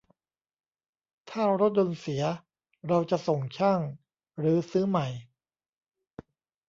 ถ้ารถยนต์เสีย เราจะส่งช่าง หรือซื้อใหม่